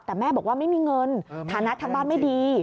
แต่แม่บอกว่าไม่มีเงินฐานะทางบ้านไม่ดี